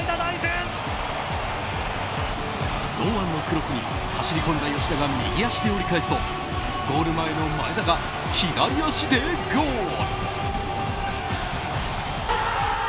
堂安のクロスに走り込んだ吉田が右足で折り返すとゴール前の前田が左足でゴール！